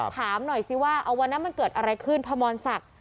ถามหน่อยสิว่าวันนั้นมันเกิดอะไรขึ้นพมรศักดิ์